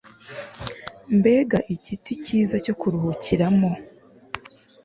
mbega ikiti cyiza cyo kuruhukiramo